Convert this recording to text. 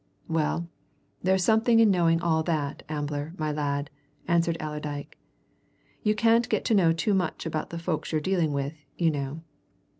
"Well, there's something in knowing all that, Ambler, my lad," answered Allerdyke. "You can't get to know too much about the folks you're dealing with, you know.